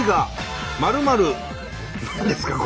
何ですか？